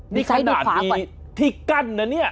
นี่ขนาดมีที่กั้นน่ะเนี่ย